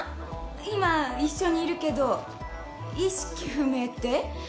今一緒にいるけど意識不明って？